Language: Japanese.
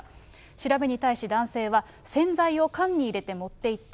調べに対し、男性は、洗剤を缶に入れて持って行った。